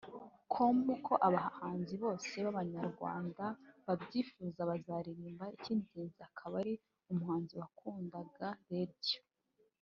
com ko abahanzi bose b’abanyarwanda babyifuza bazaririmba icy'ingenzi akaba ari umuhanzi wakundaga Radio